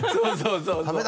そうそう